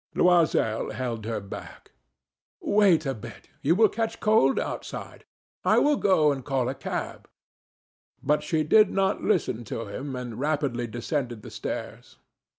Loisel held her back. "Wait a bit. You will catch cold outside. I will go and call a cab." But she did not listen to him, and rapidly descended the stairs.